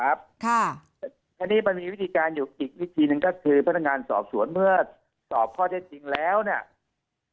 อันนี้มันมีวิธีการอยู่อีกวิธีหนึ่งก็คือพนักงานสอบสวนเมื่อสอบข้อเท็จจริงแล้วเนี่ย